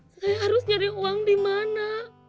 saya harus nyari uang di mana